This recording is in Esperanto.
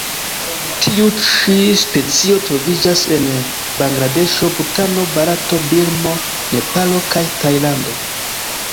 Tiu ĉi specio troviĝas en Bangladeŝo, Butano, Barato, Birmo, Nepalo kaj Tajlando.